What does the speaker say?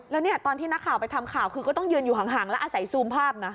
แล้วเนี่ยตอนที่นักข่าวไปทำข่าวคือก็ต้องยืนอยู่ห่างแล้วอาศัยซูมภาพนะ